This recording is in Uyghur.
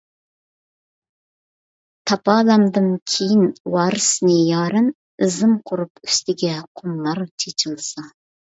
تاپالامدىم كېيىن ۋارىسنى يارەن، ئىزىم قۇرۇپ، ئۈستىگە قۇملار چېچىلسا.